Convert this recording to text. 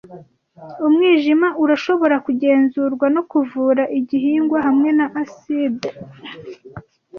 Umwijima urashobora kugenzurwa no kuvura igihingwa hamwe na aside